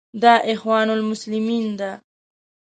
دا اخوان المسلمین ده.